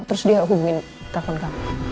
terus dia hubungin telpon kamu